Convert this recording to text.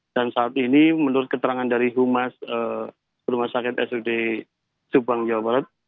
dan saat ini menurut keterangan dari humas rumah sakit sud subang jawa barat